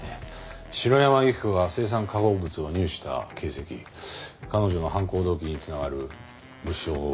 城山由希子が青酸化合物を入手した形跡彼女の犯行動機に繋がる物証を見つけてください。